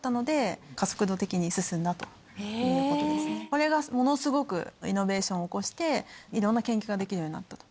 これがものすごくイノベーションを起こしていろんな研究ができるようになったと。